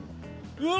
うわ！